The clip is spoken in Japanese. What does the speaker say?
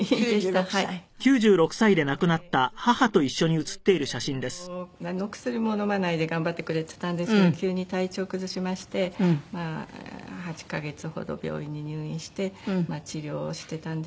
あのねずっと元気にしてくれてなんの薬も飲まないで頑張ってくれてたんですけど急に体調を崩しまして８カ月ほど病院に入院して治療してたんですがまあ。